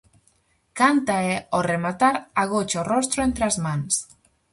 Canta e, ao rematar, agocha o rostro entre as mans.